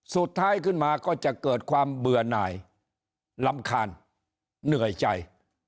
สุดท้ายขึ้นมาก็จะเกิดความเบื่อหน่ายรำคาญเหนื่อยใจ